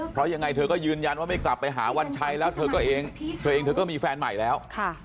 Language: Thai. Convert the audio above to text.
เพราะยังไงเธอก็ยืนยันว่าไม่กลับไปหาวันชัยแล้วเธอก็เองเธอเองเธอก็มีแฟนใหม่แล้ว